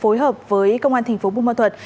phối hợp với công an tp bun ma thuật